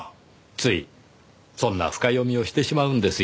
ついそんな深読みをしてしまうんですよ。